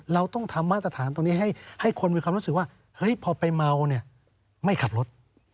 เราต้องทำมาตรฐานตรงนี้ให้คนมีความรู้สึกว่าเฮ้ยพอไปเมาเนี่ยไม่ขับรถ